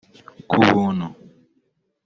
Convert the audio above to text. ku buntu